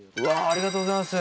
ありがとうございます。